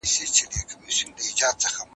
د طب پوهنځی اسانه ځای نه دی.